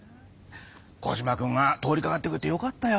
コジマくんが通りかかってくれてよかったよ。